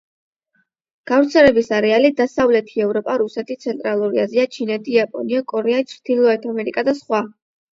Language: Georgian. გავრცელების არეალი: დასავლეთი ევროპა, რუსეთი, ცენტრალური აზია, ჩინეთი, იაპონია, კორეა, ჩრდილოეთი ამერიკა და სხვა.